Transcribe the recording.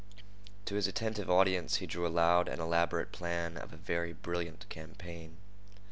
To his attentive audience he drew a loud and elaborate plan of a very brilliant campaign.